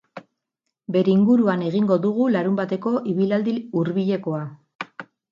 Bere inguruan egingo dugu larunbateko ibilaldi hurbilekoa.